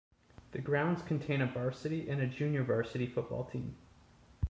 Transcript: The grounds contain a varsity and a junior varsity football field.